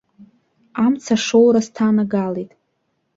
Амцашоура сҭанагалеит.